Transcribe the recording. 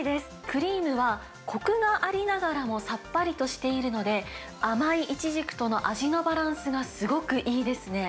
クリームはこくがありながらも、さっぱりとしているので、甘いいちじくとのアジのバランスがすごくいいですね。